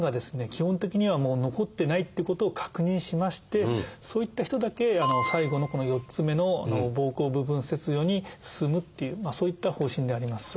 基本的にはもう残ってないっていうことを確認しましてそういった人だけ最後のこの４つ目の「膀胱部分切除」に進むっていうそういった方針であります。